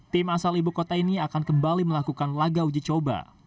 tim asal ibu kota ini akan kembali melakukan laga uji coba